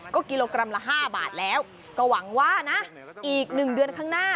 ก็กิโลกรัมละ๕บาทแล้วก็หวังว่านะอีก๑เดือนข้างหน้า